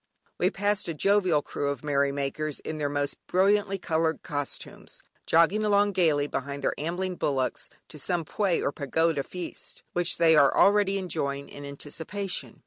Anon we passed a jovial crew of merrymakers in their most brilliantly coloured costumes, jogging along gaily behind their ambling bullocks, to some Pwé or Pagoda Feast, which they are already enjoying in anticipation.